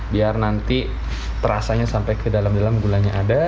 biar nanti terasanya sampai ke dalam dalam gulanya ada